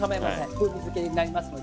風味づけになりますので。